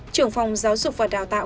trưởng phòng giáo dục và đào tạo